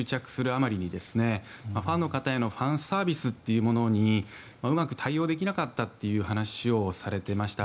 あまりにファンの方へのファンサービスというものにうまく対応できなかったという話をされていました。